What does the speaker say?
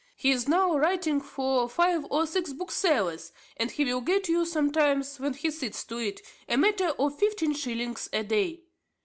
He is now writing for five or six booksellers, and he will get you sometimes, when he sits to it, a matter of fifteen shillings a day.